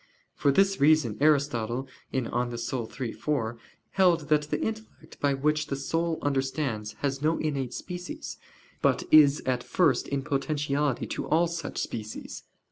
For this reason Aristotle (De Anima iii, 4) held that the intellect by which the soul understands has no innate species, but is at first in potentiality to all such species.